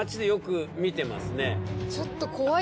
ちょっと怖い。